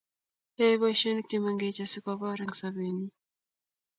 yae boisionik chemengech asigoboor eng sobenyi